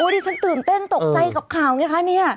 ตื่นเต้นตกใจกับข่าวนี่ค่ะ